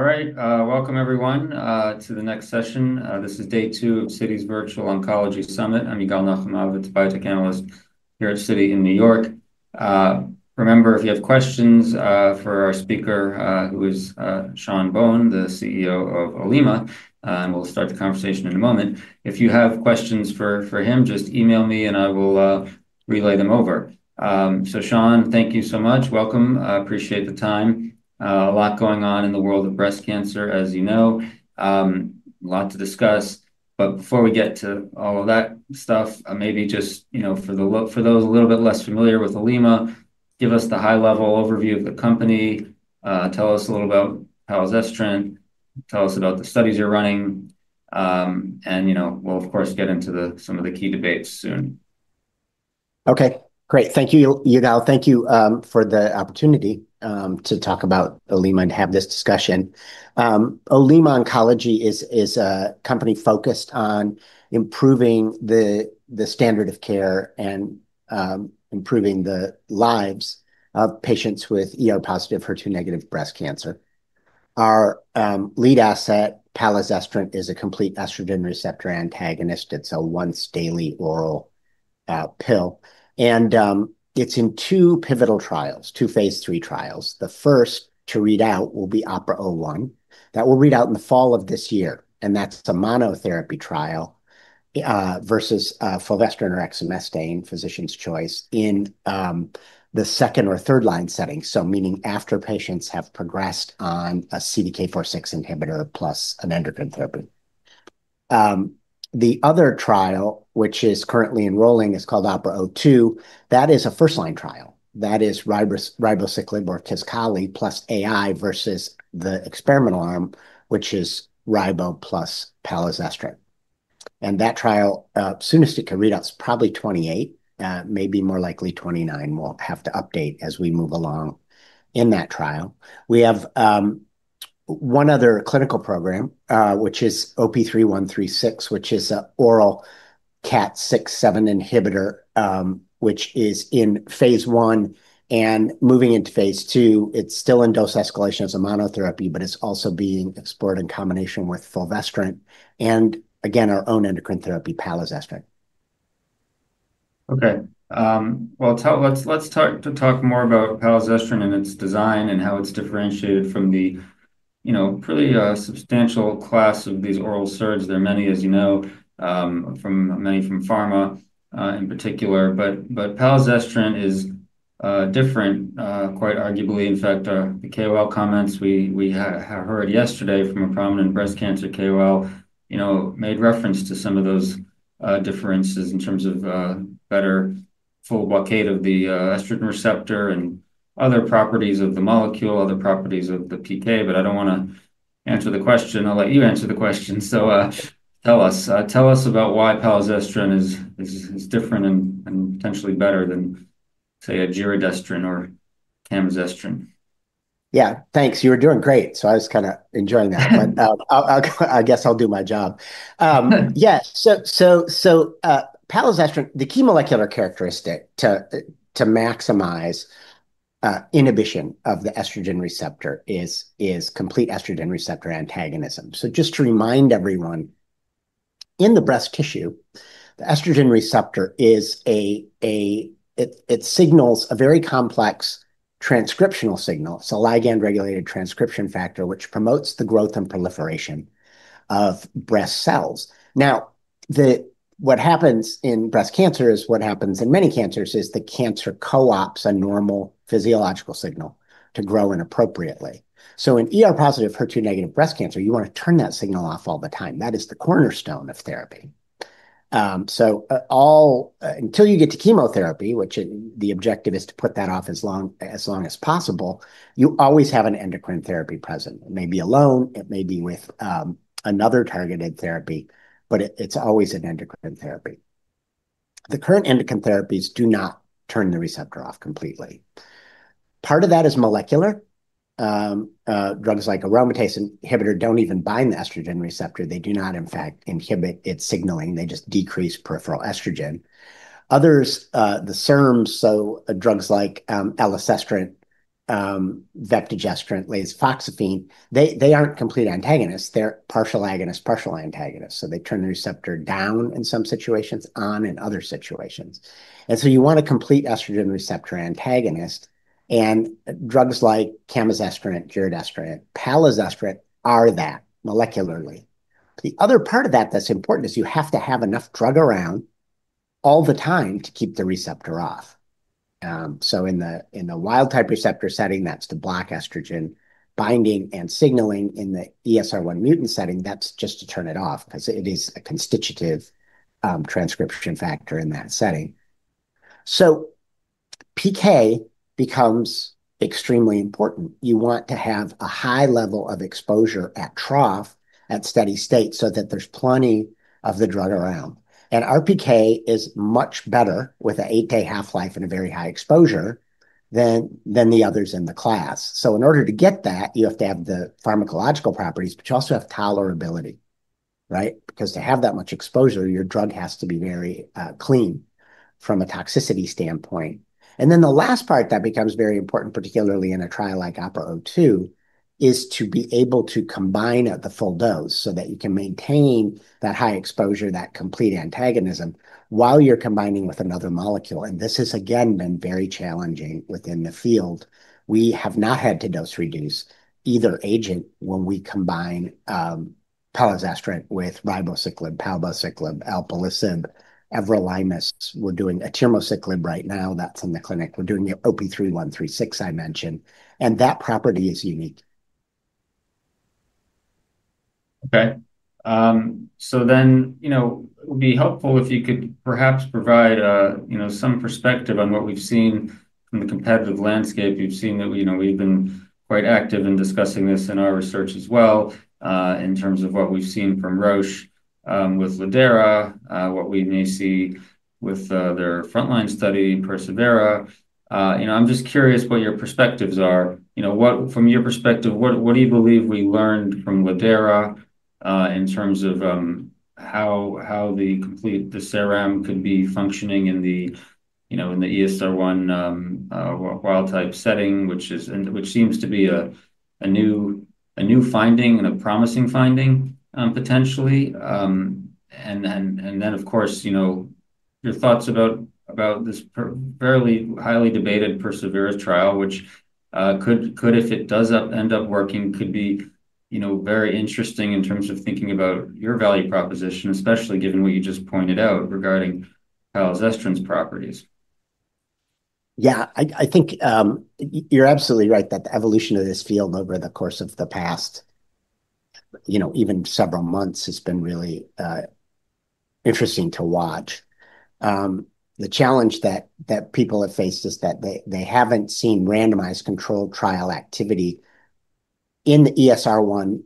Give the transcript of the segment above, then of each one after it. All right, welcome everyone, to the next session. This is day two of Citi's Virtual Oncology Summit. I'm Yigal Nochomovitz, a Biotech Analyst here at Citi in New York. Remember, if you have questions, for our speaker, who is, Sean Bohen, the CEO of Olema, and we'll start the conversation in a moment. If you have questions for him, just email me, and I will relay them over. So, Sean, thank you so much. Welcome. I appreciate the time. A lot going on in the world of breast cancer, as you know. A lot to discuss, but before we get to all of that stuff, maybe just, you know, for those a little bit less familiar with Olema, give us the high-level overview of the company. Tell us a little about palazestrant. Tell us about the studies you're running, and, you know, we'll, of course, get into some of the key debates soon. Okay, great. Thank you, Yigal. Thank you for the opportunity to talk about Olema and have this discussion. Olema Oncology is a company focused on improving the standard of care and improving the lives of patients with ER-positive, HER2-negative breast cancer. Our lead asset, palazestrant, is a complete estrogen receptor antagonist. It's a once daily oral pill, and it's in 2 pivotal trials, two phase III trials. The first to read out will be OPERA-01. That will read out in the fall of this year, and that's the monotherapy trial versus fulvestrant or exemestane, physician's choice, in the second- or third-line setting, so meaning after patients have progressed on a CDK4/6 inhibitor plus an endocrine therapy. The other trial, which is currently enrolling, is called OPERA-02. That is a first-line trial. That is ribociclib or KISQALI + AI versus the experimental arm, which is ribo plus palazestrant. And that trial, soon as it can read out, is probably 2028, maybe more likely 2029. We'll have to update as we move along in that trial. We have one other clinical program, which is OP-3136, which is an oral KAT6 inhibitor, which is in phase I and moving into phase II. It's still in dose escalation as a monotherapy, but it's also being explored in combination with fulvestrant and, again, our own endocrine therapy, palazestrant. Okay, well, let's talk more about palazestrant and its design and how it's differentiated from the, you know, pretty substantial class of these oral SERDs. There are many, as you know, from pharma, in particular, but palazestrant is different, quite arguably. In fact, the KOL comments we had heard yesterday from a prominent breast cancer KOL, you know, made reference to some of those differences in terms of better full blockade of the estrogen receptor and other properties of the molecule, other properties of the PK, but I don't wanna answer the question. I'll let you answer the question. So, tell us about why palazestrant is different and potentially better than, say, a giredestrant or camizestrant. Yeah, thanks. You were doing great, so I was kinda enjoying that. I guess I'll do my job. Yeah, palazestrant, the key molecular characteristic to maximize inhibition of the estrogen receptor is complete estrogen receptor antagonism. Just to remind everyone, in the breast tissue, the estrogen receptor is a, It signals a very complex transcriptional signal, so a ligand-regulated transcription factor, which promotes the growth and proliferation of breast cells. Now, what happens in breast cancer is what happens in many cancers, is the cancer co-ops a normal physiological signal to grow inappropriately. In ER-positive, HER2-negative breast cancer, you wanna turn that signal off all the time. That is the cornerstone of therapy. So, until you get to chemotherapy, which the objective is to put that off as long as possible, you always have an endocrine therapy present. It may be alone, it may be with another targeted therapy, but it's always an endocrine therapy. The current endocrine therapies do not turn the receptor off completely. Part of that is molecular. Drugs like aromatase inhibitor don't even bind the estrogen receptor. They do not, in fact, inhibit its signaling. They just decrease peripheral estrogen. Others, the SERMs, so drugs like elacestrant, vepdegestrant, lasofoxifene, they aren't complete antagonists. They're partial agonists, partial antagonists, so they turn the receptor down in some situations, on in other situations. And so you want a complete estrogen receptor antagonist, and drugs like camizestrant, giredestrant, palazestrant are that molecularly. The other part of that that's important is you have to have enough drug around all the time to keep the receptor off. So in the wild-type receptor setting, that's to block estrogen binding and signaling. In the ESR1 mutant setting, that's just to turn it off because it is a constitutive transcription factor in that setting. So PK becomes extremely important. You want to have a high level of exposure at trough, at steady state, so that there's plenty of the drug around. And RPK is much better with an eight-day half-life and a very high exposure than the others in the class. So in order to get that, you have to have the pharmacological properties, but you also have tolerability. Right? Because to have that much exposure, your drug has to be very clean from a toxicity standpoint. And then the last part that becomes very important, particularly in a trial like OPERA-02, is to be able to combine at the full dose so that you can maintain that high exposure, that complete antagonism, while you're combining with another molecule. And this has, again, been very challenging within the field. We have not had to dose reduce either agent when we combine palazestrant with ribociclib, palbociclib, alpelisib, everolimus. We're doing atirmociclib right now, that's in the clinic. We're doing the OP-3136 I mentioned, and that property is unique. Okay. You know, it would be helpful if you could perhaps provide, you know, some perspective on what we've seen in the competitive landscape. You've seen that, you know, we've been quite active in discussing this in our research as well, in terms of what we've seen from Roche, with lidERA, what we may see with their frontline study, persevERA. You know, I'm just curious what your perspectives are. You know, from your perspective, what do you believe we learned from lidERA, in terms of how the complete, the SERD could be functioning in the, you know, in the ESR1 wild-type setting, which is—and which seems to be a new, a new finding and a promising finding, potentially. And then, of course, you know, your thoughts about this fairly highly debated persevERA trial, which could, if it does end up working, be, you know, very interesting in terms of thinking about your value proposition, especially given what you just pointed out regarding palazestrant's properties. Yeah, I think, you're absolutely right that the evolution of this field over the course of the past, you know, even several months, has been really interesting to watch. The challenge that people have faced is that they haven't seen randomized controlled trial activity in the ESR1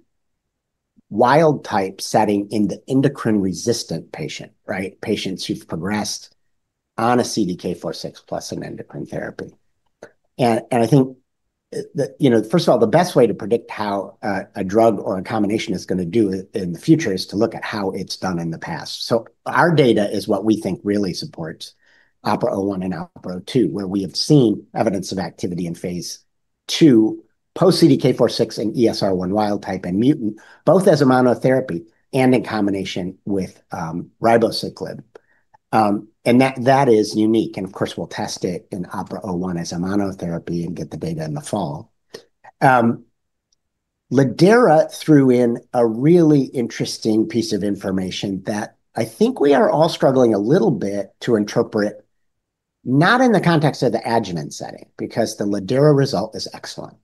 wild-type setting in the endocrine-resistant patient, right? Patients who've progressed on a CDK4/6 plus an endocrine therapy. And I think that, you know, first of all, the best way to predict how a drug or a combination is gonna do in the future is to look at how it's done in the past. So our data is what we think really supports OPERA-01 and OPERA-02, where we have seen evidence of activity in phase II, post CDK4/6 and ESR1 wild-type and mutant, both as a monotherapy and in combination with ribociclib. And that is unique, and of course, we'll test it in OPERA-01 as a monotherapy and get the data in the fall. lidERA threw in a really interesting piece of information that I think we are all struggling a little bit to interpret, not in the context of the adjuvant setting, because the lidERA result is excellent.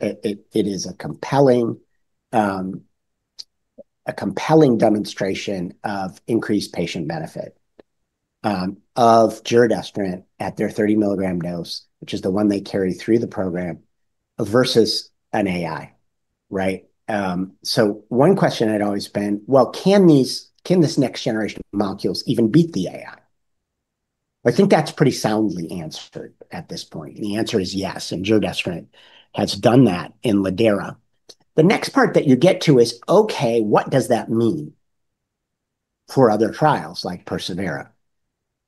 It is a compelling demonstration of increased patient benefit of giredestrant at their 30 mg dose, which is the one they carry through the program, versus an AI, right? So one question I'd always been: Well, can this next generation of molecules even beat the AI? I think that's pretty soundly answered at this point, and the answer is yes, and giredestrant has done that in lidERA. The next part that you get to is, okay, what does that mean for other trials like persevERA?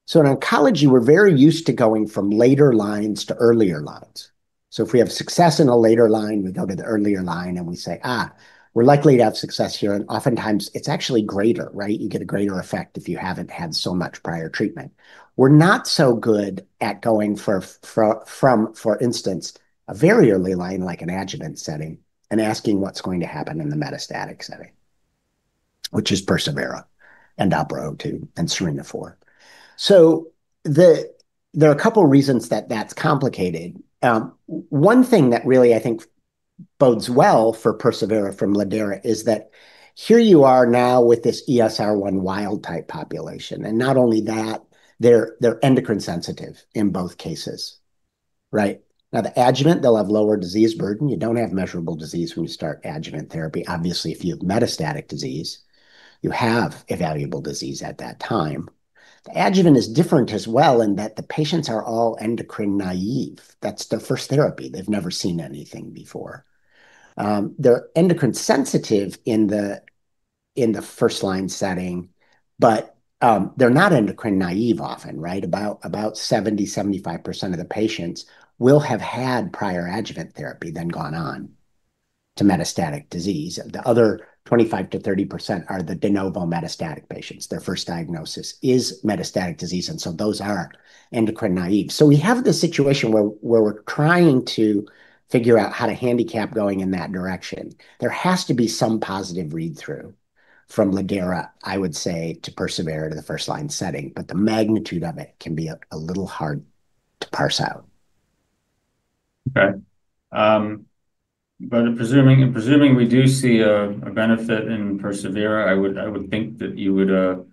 So in oncology, we're very used to going from later lines to earlier lines. So if we have success in a later line, we go to the earlier line, and we say, "Ah, we're likely to have success here." And oftentimes it's actually greater, right? You get a greater effect if you haven't had so much prior treatment. We're not so good at going from, for instance, a very early line, like an adjuvant setting, and asking what's going to happen in the metastatic setting, which is persevERA, OPERA-02, and SERENA-4. So there are a couple of reasons that that's complicated. One thing that really, I think, bodes well for persevERA from lidERA is that here you are now with this ESR1 wild-type population, and not only that, they're endocrine sensitive in both cases, right? Now, the adjuvant, they'll have lower disease burden. You don't have measurable disease when you start adjuvant therapy. Obviously, if you have metastatic disease, you have evaluable disease at that time. The adjuvant is different as well in that the patients are all endocrine naive. That's their first therapy. They've never seen anything before. They're endocrine sensitive in the first-line setting, but they're not endocrine naive, often, right? About 75% of the patients will have had prior adjuvant therapy, then gone on to metastatic disease. The other 25%-30% are the de novo metastatic patients. Their first diagnosis is metastatic disease, and so those are endocrine naive. So we have the situation where we're trying to figure out how to handicap going in that direction. There has to be some positive read-through from lidERA, I would say, to persevERA to the first-line setting, but the magnitude of it can be a little hard to parse out. Okay. But presuming, and presuming we do see a benefit in persevERA, I would, I would think that you would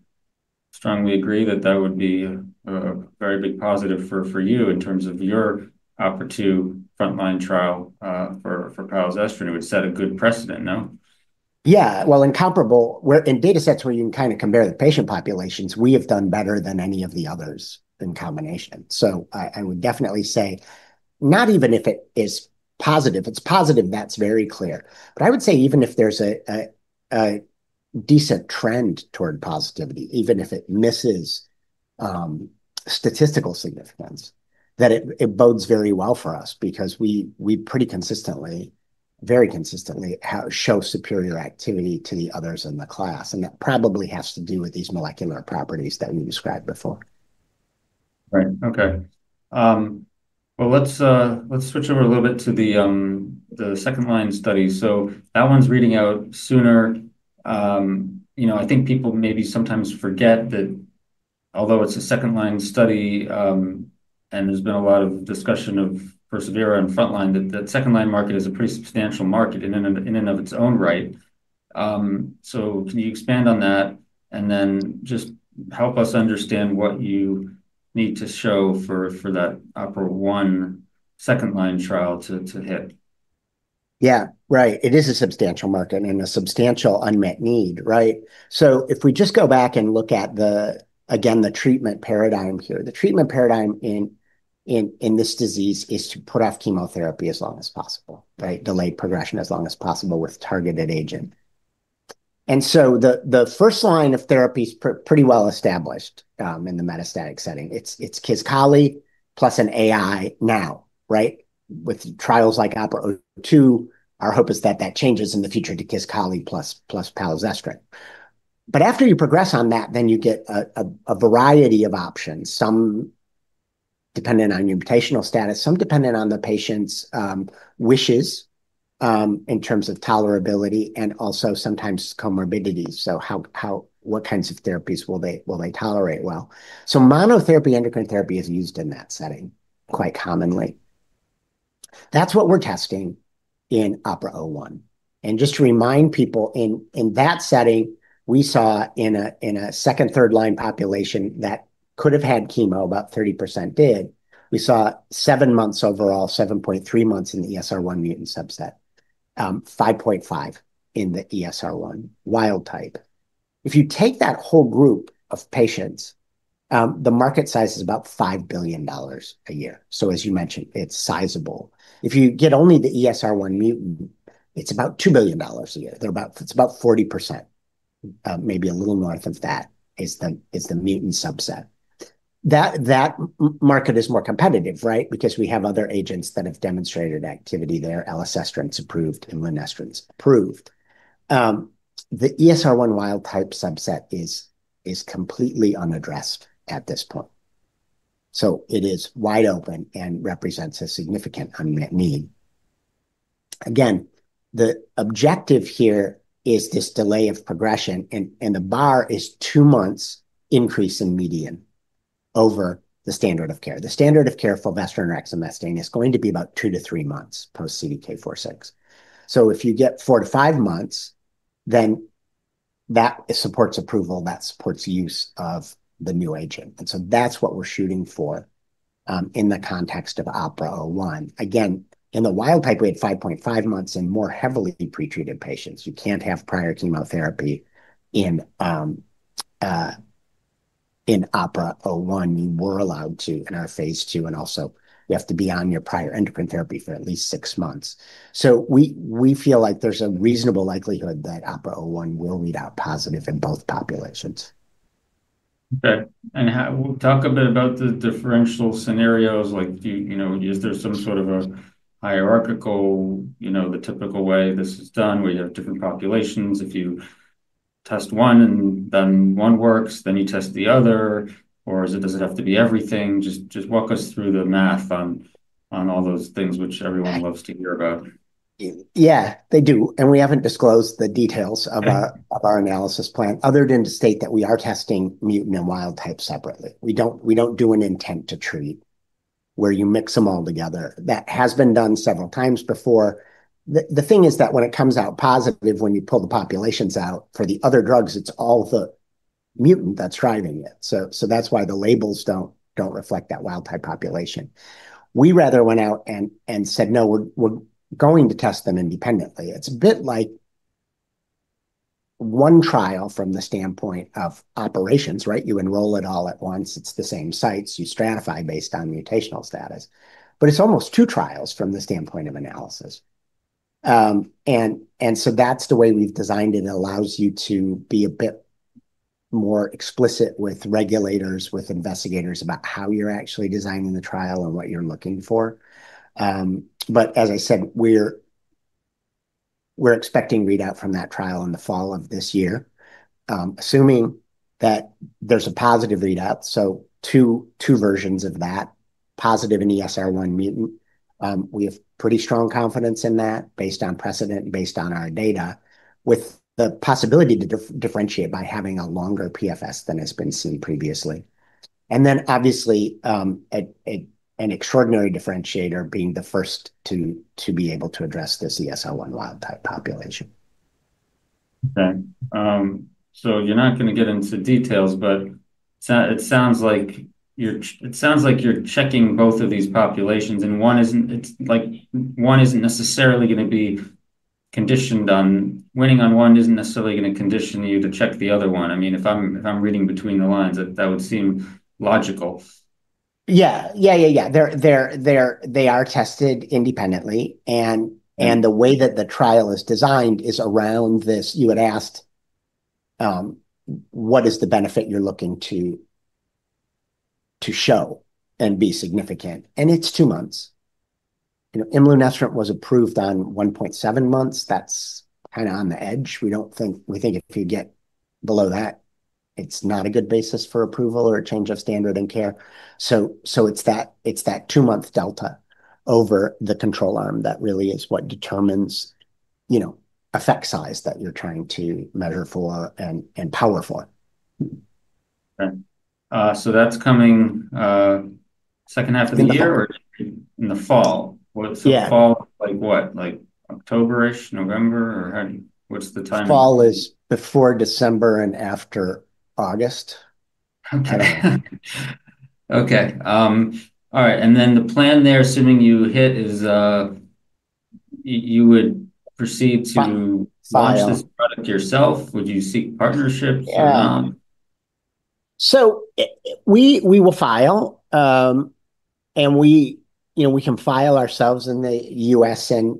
strongly agree that that would be a very big positive for you in terms of your OPERA-02 frontline trial for palazestrant, it would set a good precedent, no? Yeah, well, in comparable, in data sets where you can kind of compare the patient populations, we have done better than any of the others in combination. So I would definitely say, not even if it is positive. If it's positive, that's very clear. But I would say even if there's a decent trend toward positivity, even if it misses statistical significance, that it bodes very well for us because we pretty consistently, very consistently, show superior activity to the others in the class, and that probably has to do with these molecular properties that we described before. Right. Okay. Well, let's switch over a little bit to the second-line study. So that one's reading out sooner. You know, I think people maybe sometimes forget that although it's a second-line study, and there's been a lot of discussion of persevERA and frontline, that second-line market is a pretty substantial market in and of itself. So can you expand on that? And then just help us understand what you need to show for that OPERA-01 second-line trial to hit. Yeah, right. It is a substantial market and a substantial unmet need, right? So if we just go back and look at the, again, the treatment paradigm here. The treatment paradigm in this disease is to put off chemotherapy as long as possible, right? Delay progression as long as possible with targeted agent. And so the first line of therapy is pretty well established in the metastatic setting. It's KISQALI + an AI now, right? With trials like OPERA-02, our hope is that that changes in the future to KISQALI + palbociclib. But after you progress on that, then you get a variety of options, some dependent on your mutational status, some dependent on the patient's wishes in terms of tolerability and also sometimes comorbidities. So how—what kinds of therapies will they tolerate well? So monotherapy, endocrine therapy is used in that setting quite commonly. That's what we're testing in OPERA-01. And just to remind people, in that setting, we saw in a second, third-line population that could have had chemo, about 30% did. We saw seven months overall, 7.3 months in the ESR1 mutant subset, 5.5 in the ESR1 wild type. If you take that whole group of patients, the market size is about $5 billion a year. So as you mentioned, it's sizable. If you get only the ESR1 mutant, it's about $2 billion a year. It's about 40%, maybe a little north of that, is the mutant subset. That market is more competitive, right? Because we have other agents that have demonstrated activity there. Elacestrant’s approved, and imlunestrant’s approved. The ESR1 wild type subset is completely unaddressed at this point, so it is wide open and represents a significant unmet need. Again, the objective here is this delay of progression, and the bar is two months increase in median over the standard of care. The standard of care fulvestrant or exemestane is going to be about two to three months post CDK4/6. So if you get four to five months, then that supports approval, that supports use of the new agent. That's what we're shooting for in the context of OPERA-01. Again, in the wild type, we had 5.5 months in more heavily pretreated patients. You can't have prior chemotherapy in OPERA-01. You were allowed to in our phase II, and also you have to be on your prior endocrine therapy for at least six months. So we feel like there's a reasonable likelihood that OPERA-01 will read out positive in both populations. Okay, and how, talk a bit about the differential scenarios. Like, do you, you know, is there some sort of a hierarchical, you know, the typical way this is done, where you have different populations? If you test one and then one works, then you test the other, or is it, does it have to be everything? Just, just walk us through the math on, on all those things which everyone loves to hear about. Yeah, they do. We haven't disclosed the details of our analysis plan, other than to state that we are testing mutant and wild type separately. We don't do an intent to treat, where you mix them all together. That has been done several times before. The thing is that when it comes out positive, when you pull the populations out for the other drugs, it's all the mutant that's driving it. So that's why the labels don't reflect that wild type population. We rather went out and said, "No, we're going to test them independently." It's a bit like one trial from the standpoint of operations, right? You enroll it all at once. It's the same sites. You stratify based on mutational status. But it's almost two trials from the standpoint of analysis. And so that's the way we've designed it. It allows you to be a bit more explicit with regulators, with investigators, about how you're actually designing the trial and what you're looking for. But as I said, we're expecting readout from that trial in the fall of this year. Assuming that there's a positive readout, so two versions of that, positive and ESR1 mutant. We have pretty strong confidence in that based on precedent, based on our data, with the possibility to differentiate by having a longer PFS than has been seen previously. And then, obviously, an extraordinary differentiator being the first to be able to address this ESR1 wild type population. Okay. So you're not gonna get into details, but it sounds like you're checking both of these populations, and one isn't necessarily gonna be conditioned on winning on one isn't necessarily going to condition you to check the other one. I mean, if I'm reading between the lines, that would seem logical. Yeah. They're tested independently, and the way that the trial is designed is around this. You had asked what is the benefit you're looking to show and be significant? And it's two months. You know, imlunestrant was approved on 1.7 months. That's kind of on the edge. We don't think - we think if you get below that, it's not a good basis for approval or a change of standard in care. So it's that two month delta over the control arm that really is what determines, you know, effect size that you're trying to measure for and power for. Right. So that's coming, second half of the year or in the fall? Yeah. So, fall, like what? Like October-ish, November, or how do you, what's the timing? Fall is before December and after August. Okay. All right, and then the plan there, assuming you hit, is you would proceed to launch this product yourself? Would you seek partnerships? Yeah. So we will file, and we, you know, we can file ourselves in the U.S. and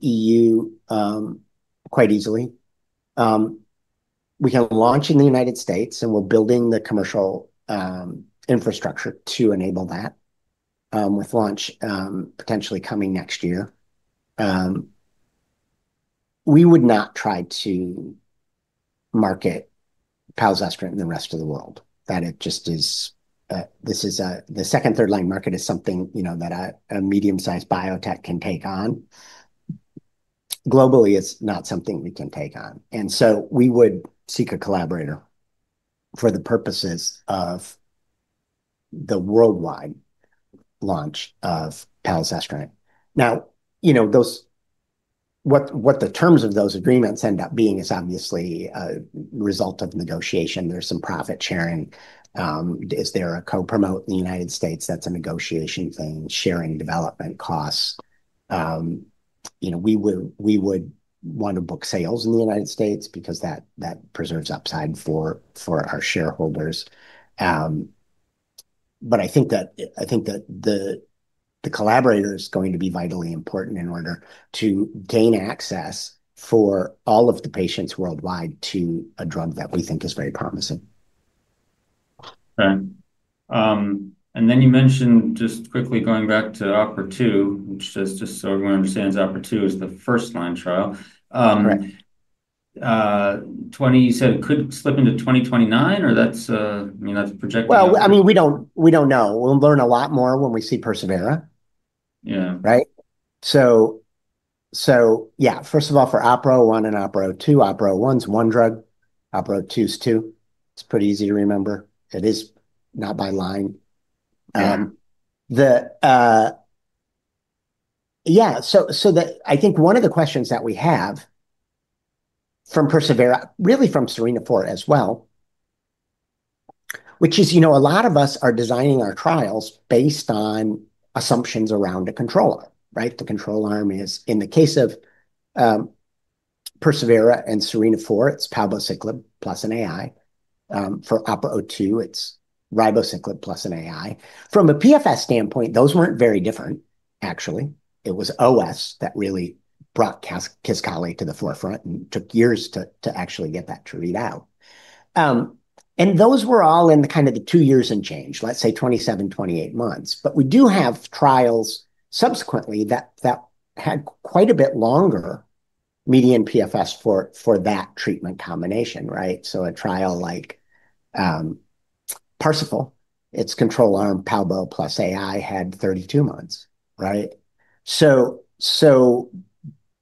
EU quite easily. We can launch in the United States, and we're building the commercial infrastructure to enable that with launch potentially coming next year. We would not try to market palazestrant in the rest of the world. That it just is this is a the second, third-line market is something, you know, that a medium-sized biotech can take on. Globally, it's not something we can take on, and so we would seek a collaborator for the purposes of the worldwide launch of palazestrant. Now, you know, what the terms of those agreements end up being is obviously a result of negotiation. There's some profit sharing. Is there a co-promote in the United States? That's a negotiation thing, sharing development costs. You know, we would want to book sales in the United States because that preserves upside for our shareholders. But I think that the collaborator is going to be vitally important in order to gain access for all of the patients worldwide to a drug that we think is very promising. Right. And then you mentioned, just quickly going back to OPERA-02, which just, just so everyone understands, OPERA-02 is the first-line trial. Correct. 20, you said it could slip into 2029, or that's, I mean, that's projected? Well, I mean, we don't, we don't know. We'll learn a lot more when we see persevERA. Yeah. Right? So, so yeah, first of all, for OPERA-01 and OPERA-02, OPERA-01's one drug, OPERA-02's two. It's pretty easy to remember. It is not by line. Right. Yeah, so the—I think one of the questions that we have from persevERA, really from SERENA-4 as well, which is, you know, a lot of us are designing our trials based on assumptions around a control arm, right? The control arm is, in the case of, persevERA and SERENA-4, it's palbociclib plus an AI. For OPERA-02, it's ribociclib plus an AI. From a PFS standpoint, those weren't very different, actually. It was OS that really brought KISQALI to the forefront and took years to actually get that drug it out. And those were all in kind of the two years and change, let's say 27, 28 months. But we do have trials subsequently that had quite a bit longer median PFS for that treatment combination, right? So a trial like PARSIFAL, its control arm, palbo plus AI, had 32 months, right? So, so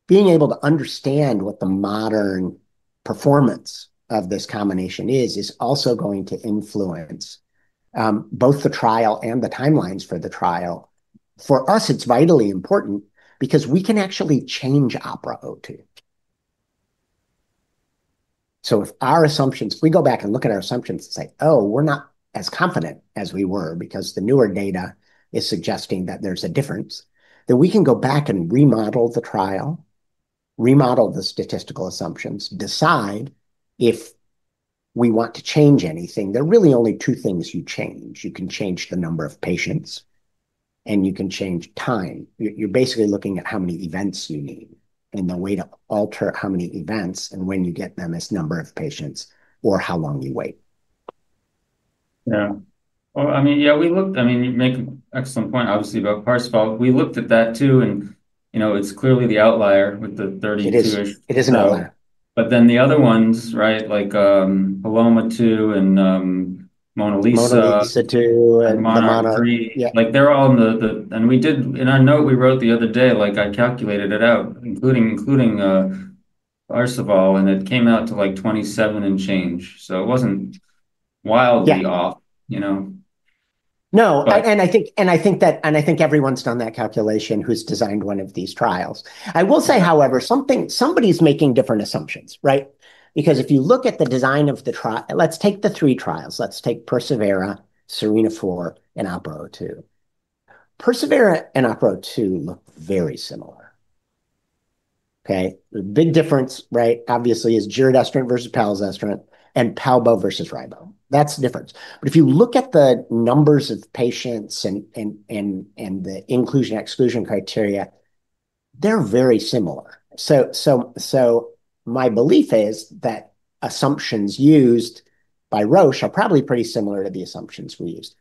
being able to understand what the modern performance of this combination is, is also going to influence both the trial and the timelines for the trial. For us, it's vitally important because we can actually change OPERA-02. So if our assumptions—if we go back and look at our assumptions and say, "Oh, we're not as confident as we were, because the newer data is suggesting that there's a difference," then we can go back and remodel the trial, remodel the statistical assumptions, decide if we want to change anything. There are really only two things you change. You can change the number of patients, and you can change time. You're basically looking at how many events you need, and the way to alter how many events and when you get them is number of patients or how long you wait. Yeah. Well, I mean, yeah, we looked, I mean, you make an excellent point, obviously, about PARSIFAL. We looked at that too, and, you know, it's clearly the outlier with the 32-ish. It is an outlier. But then the other ones, right, like, PALOMA-2 and, MONALEESA- MONALEESA-2 and... -MONALEESA-3. Yeah. Like, they're all in the, we did, in our note we wrote the other day, like, I calculated it out, including PARSIFAL, and it came out to, like, 27 and change. So it wasn't wildly off, you know? No, and I think everyone’s done that calculation who’s designed one of these trials. I will say, however, something. Somebody’s making different assumptions, right? Because if you look at the design of the trial. Let’s take the three trials. Let’s take persevERA, SERENA-4, and OPERA-02. persevERA and OPERA-02 look very similar, okay? The big difference, right, obviously, is giredestrant versus palazestrant and palbo versus ribo. That’s the difference. But if you look at the numbers of patients and the inclusion, exclusion criteria, they’re very similar. So my belief is that assumptions used by Roche are probably pretty similar to the assumptions we used.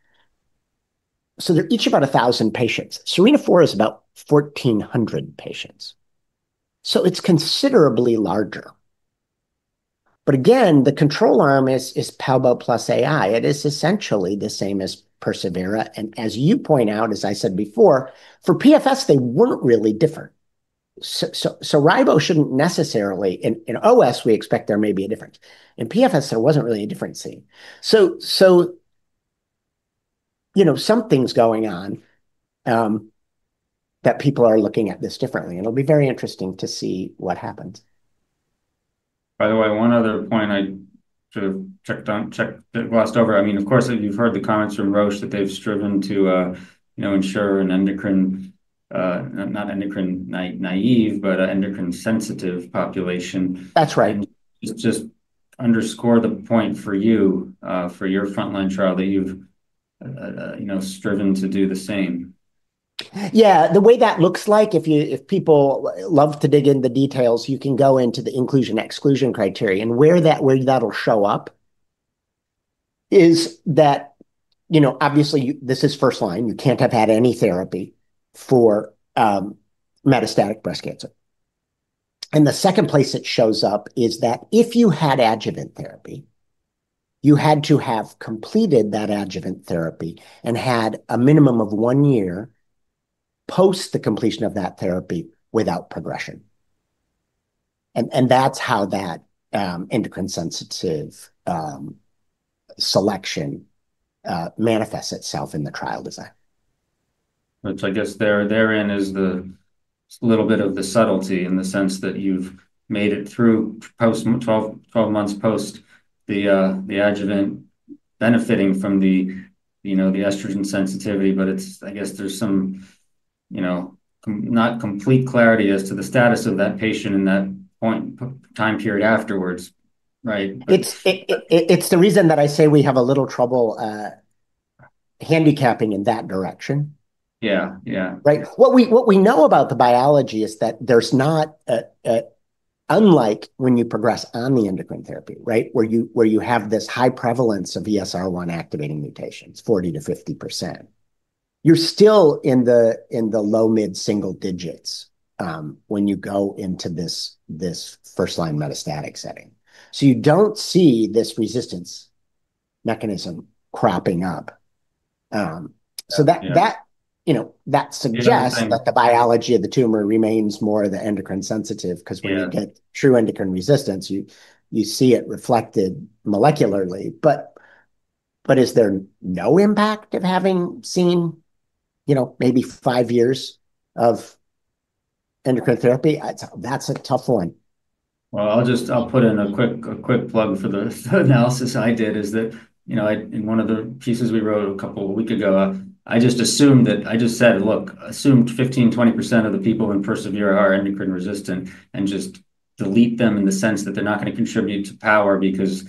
So they’re each about 1,000 patients. SERENA-4 is about 1,400 patients, so it’s considerably larger. But again, the control arm is palbo plus AI. It is essentially the same as persevERA, and as you point out, as I said before, for PFS, they weren't really different. So, ribo shouldn't necessarily, in OS, we expect there may be a difference. In PFS, there wasn't really a difference seen. So, you know, something's going on, that people are looking at this differently, and it'll be very interesting to see what happens. By the way, one other point I sort of checked on, checked, glossed over. I mean, of course, you've heard the comments from Roche that they've striven to, you know, ensure an endocrine, not endocrine-naive, but an endocrine-sensitive population. That's right. Just underscore the point for you, for your frontline trial, that you've, you know, striven to do the same. Yeah, the way that looks like, if people love to dig into the details, you can go into the inclusion, exclusion criteria. And where that'll show up is that, you know, obviously, this is first line. You can't have had any therapy for metastatic breast cancer. And the second place it shows up is that if you had adjuvant therapy, you had to have completed that adjuvant therapy and had a minimum of one year post the completion of that therapy without progression. And that's how that endocrine sensitive selection manifests itself in the trial design. Which I guess therein is the little bit of the subtlety in the sense that you've made it through post 12, 12 months post the, the adjuvant benefiting from the, you know, the estrogen sensitivity. But it's, I guess there's some, you know, not complete clarity as to the status of that patient in that point, time period afterwards, right? It's the reason that I say we have a little trouble handicapping in that direction. Yeah. Right. What we know about the biology is that there's not a unlike when you progress on the endocrine therapy, right? Where you have this high prevalence of ESR1-activating mutations, 40%-50%. You're still in the low mid-single digits when you go into this first-line metastatic setting. So you don't see this resistance mechanism cropping up. So that, you know, that suggests- You know, I'm- -that the biology of the tumor remains more of the endocrine-sensitive 'ause when you get true endocrine resistance, you see it reflected molecularly. But is there no impact of having seen, you know, maybe five years of endocrine therapy? That's a tough one. Well, I'll just put in a quick plug for the analysis I did. Is that, you know, in one of the pieces we wrote a couple weeks ago, I just assumed that. I just said, "Look, assume 15%-20% of the people in persevERA are endocrine resistant, and just delete them in the sense that they're not gonna contribute to power because,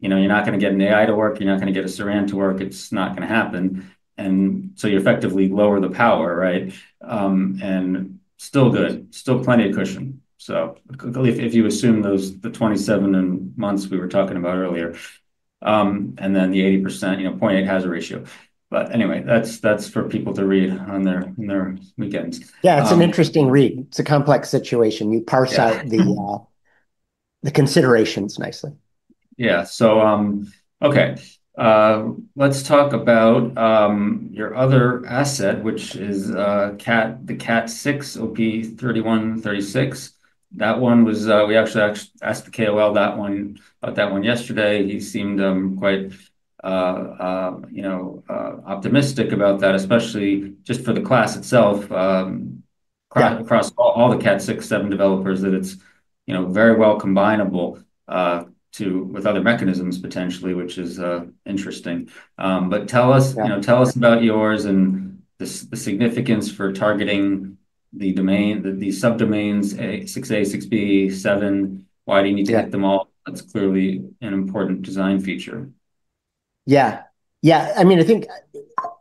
you know, you're not gonna get an AI to work. You're not gonna get a SERD to work. It's not gonna happen." And so you effectively lower the power, right? And still good, still plenty of cushion. So if you assume those 27 months we were talking about earlier, and then the 80%, you know, 0.8 hazard ratio. But anyway, that's for people to read on their weekends. Yeah, it's an interesting read. It's a complex situation. Yeah. You parse out the considerations nicely. Yeah. So, okay. Let's talk about your other asset, which is KAT6, the KAT6, OP-3136. That one was, we actually asked the KOL that one, about that one yesterday. He seemed quite, you know, optimistic about that, especially just for the class itself across all the KAT6, seven developers, that it's, you know, very well combinable with other mechanisms, potentially, which is interesting. But tell us you know, tell us about yours and the significance for targeting the domain, the subdomains A, 6A, 6B, 7. Why do you need to hit them all? Yeah. That's clearly an important design feature. Yeah. Yeah. I mean, I think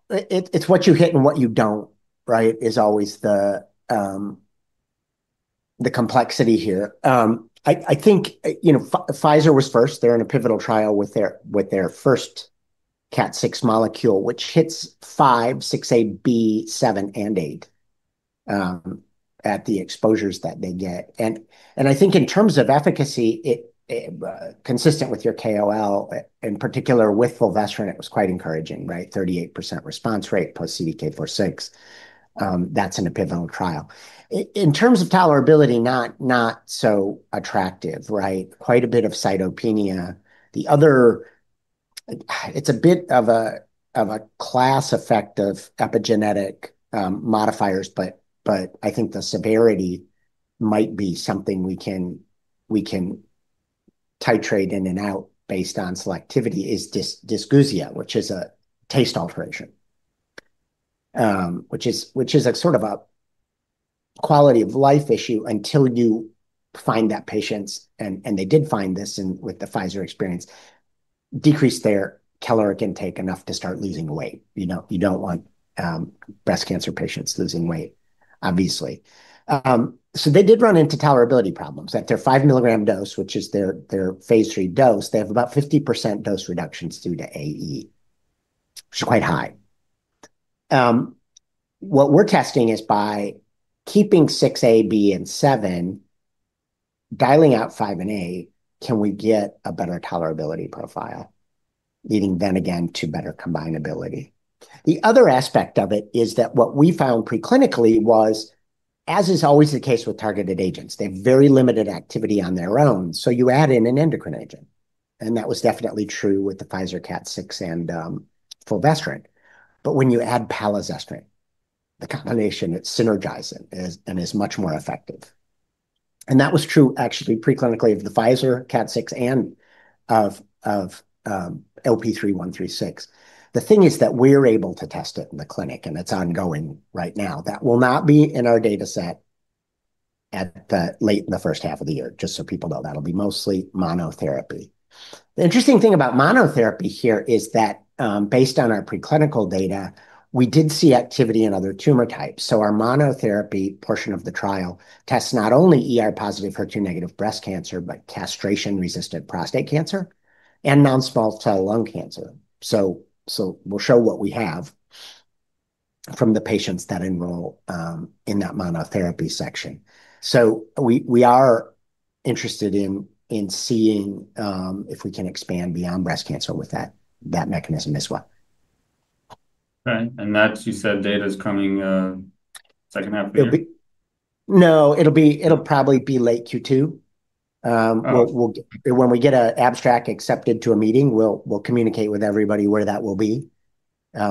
it, it's what you hit and what you don't, right, is always the complexity here. I think, you know, Pfizer was first. They're in a pivotal trial with their first KAT6 molecule, which hits 5, 6AB, 7, and 8 at the exposures that they get. And I think in terms of efficacy, it's consistent with your KOL in particular with fulvestrant, it was quite encouraging, right? 38% response rate plus CDK4/6. That's in a pivotal trial. In terms of tolerability, not so attractive, right? Quite a bit of cytopenia. The other. It's a bit of a class effect of epigenetic modifiers, but I think the severity might be something we can titrate in and out based on selectivity is dysgeusia, which is a taste alteration. Which is a sort of a quality of life issue until you find that patients, and they did find this in with the Pfizer experience, decrease their caloric intake enough to start losing weight. You know, you don't want breast cancer patients losing weight, obviously. So they did run into tolerability problems. At their 5 milligram dose, which is their phase III dose, they have about 50% dose reductions due to AE, which is quite high. What we're testing is by keeping 6, A, B, and 7, dialing out 5 and A, can we get a better tolerability profile? Leading then again to better combinability. The other aspect of it is that what we found preclinically was, as is always the case with targeted agents, they have very limited activity on their own, so you add in an endocrine agent, and that was definitely true with the Pfizer CDK4/6 and fulvestrant. But when you add palazestrant, the combination, it's synergizing and is much more effective. And that was true actually preclinically of the Pfizer CDK4/6 and of OP-3136. The thing is that we're able to test it in the clinic, and it's ongoing right now. That will not be in our dataset at the late in the first half of the year, just so people know. That'll be mostly monotherapy. The interesting thing about monotherapy here is that, based on our preclinical data, we did see activity in other tumor types. So our monotherapy portion of the trial tests not only ER-positive, HER2-negative breast cancer, but castration-resistant prostate cancer and non-small cell lung cancer. We'll show what we have from the patients that enroll in that monotherapy section. We are interested in seeing if we can expand beyond breast cancer with that mechanism as well. Right, and that you said, data's coming, second half of the year? No, it'll probably be late Q2. We'll, when we get an abstract accepted to a meeting, we'll communicate with everybody where that will be.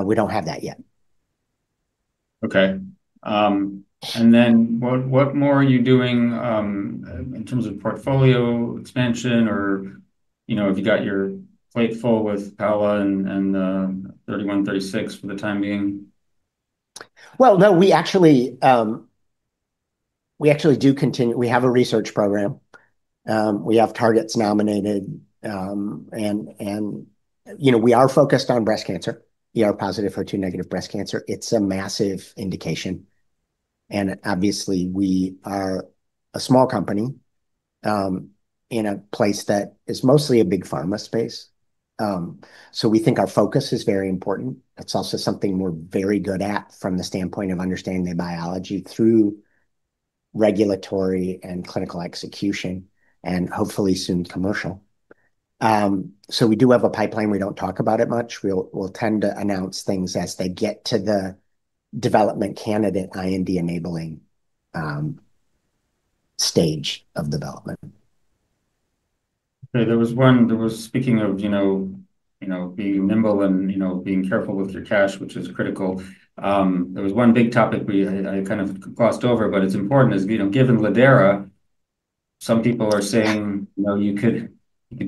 We don't have that yet. Okay, and then what more are you doing in terms of portfolio expansion or, you know, have you got your plate full with palazestrant and OP-3136 for the time being? Well, no, we actually, we actually do continue. We have a research program. We have targets nominated, and, you know, we are focused on breast cancer, ER-positive, HER2-negative breast cancer. It's a massive indication, and obviously, we are a small company, in a place that is mostly a big pharma space. So we think our focus is very important. It's also something we're very good at from the standpoint of understanding the biology through regulatory and clinical execution, and hopefully soon, commercial. So we do have a pipeline. We don't talk about it much. We'll, we'll tend to announce things as they get to the development candidate, IND-enabling, stage of development. There was one speaking of, you know, being nimble and, you know, being careful with your cash, which is critical. There was one big topic I kind of glossed over, but it's important, is, you know, given lidERA, some people are saying, you know, you could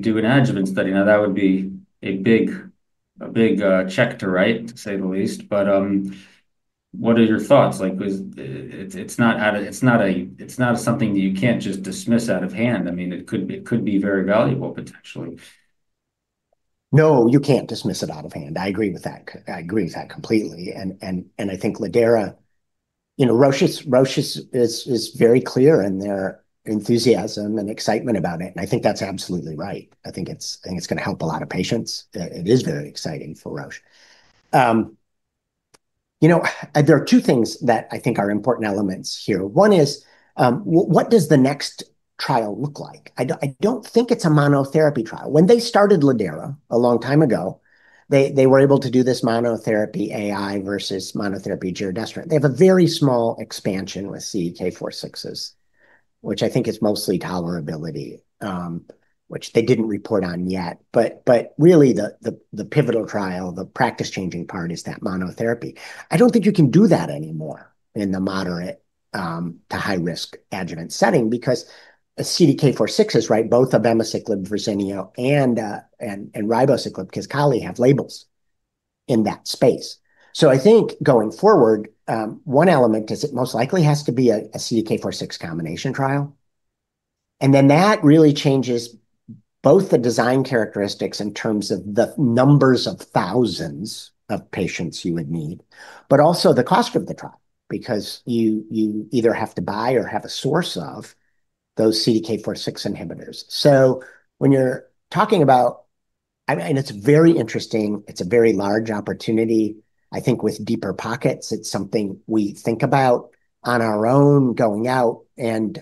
do an adjuvant study. Now, that would be a big, a big check to write, to say the least. But what are your thoughts like? 'Cause it's not a, it's not something that you can't just dismiss out of hand. I mean, it could be very valuable, potentially. No, you can't dismiss it out of hand. I agree with that. I agree with that completely. And I think lidERA, you know, Roche's is very clear in their enthusiasm and excitement about it, and I think that's absolutely right. I think it's, I think it's gonna help a lot of patients. It is very exciting for Roche. You know, there are two things that I think are important elements here. One is what does the next trial look like? I don't, I don't think it's a monotherapy trial. When they started lidERA a long time ago, they, they were able to do this monotherapy, AI versus monotherapy giredestrant. They have a very small expansion with CDK4/6s, which I think is mostly tolerability, which they didn't report on yet. But really the pivotal trial, the practice-changing part is that monotherapy. I don't think you can do that anymore in the moderate to high-risk adjuvant setting, because a CDK4/6 is right, both abemaciclib, Verzenio, and ribociclib, KISQALI, have labels in that space. So I think going forward, one element is it most likely has to be a CDK4/6 combination trial. And then that really changes both the design characteristics in terms of the numbers of thousands of patients you would need, but also the cost of the trial, because you either have to buy or have a source of those CDK4/6 inhibitors. So when you're talking about. And it's very interesting, it's a very large opportunity. I think with deeper pockets, it's something we think about on our own, going out and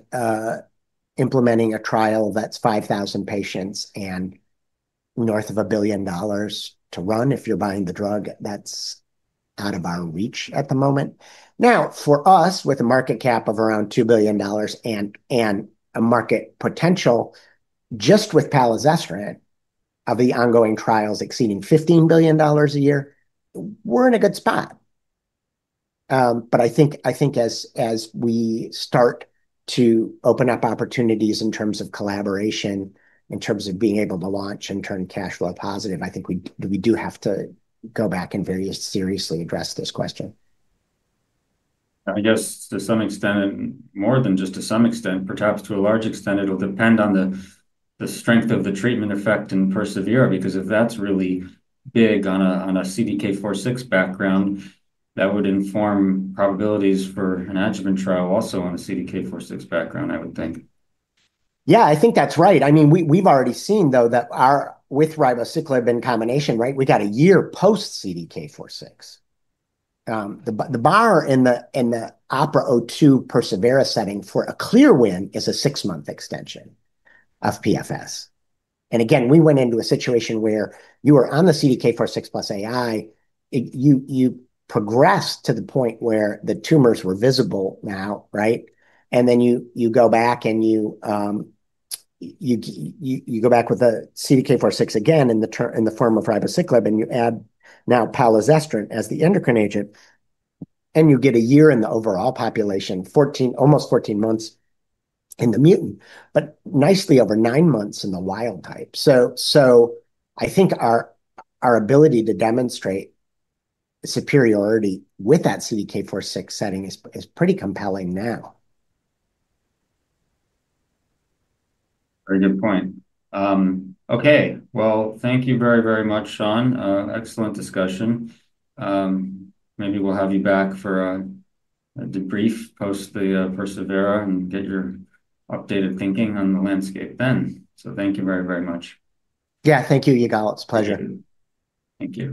implementing a trial that's 5,000 patients and north of $1 billion to run. If you're buying the drug, that's out of our reach at the moment. Now, for us, with a market cap of around $2 billion and a market potential, just with palazestrant, of the ongoing trials exceeding $15 billion a year, we're in a good spot. But I think, I think as we start to open up opportunities in terms of collaboration, in terms of being able to launch and turn cash flow positive, I think we do have to go back and very seriously address this question. I guess to some extent, and more than just to some extent, perhaps to a large extent, it'll depend on the strength of the treatment effect in persevERA. Because if that's really big on a CDK4/6 background, that would inform probabilities for an adjuvant trial also on a CDK4/6 background, I would think. Yeah, I think that's right. I mean, we've already seen, though, that ours with ribociclib in combination, right? We got a year post CDK4/6. The bar in the OPERA-02 persevERA setting for a clear win is a 6-month extension of PFS. And again, we went into a situation where you were on the CDK4/6 plus AI. You progressed to the point where the tumors were visceral now, right? And then you go back with a CDK4/6 again, in the form of ribociclib, and you add now palazestrant as the endocrine agent, and you get a year in the overall population, 14, almost 14 months in the mutant, but nicely over 9 months in the wild type. So, I think our ability to demonstrate superiority with that CDK4/6 setting is pretty compelling now. Very good point. Okay. Well, thank you very, very much, Sean. Excellent discussion. Maybe we'll have you back for a debrief post the persevERA, and get your updated thinking on the landscape then. So thank you very, very much. Yeah. Thank you, Yigal. It's a pleasure. Thank you.